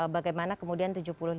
bagaimana kemudian tujuh puluh lima